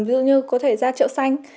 ví dụ như có thể ra chợ xanh